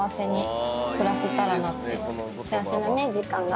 幸せなね時間が。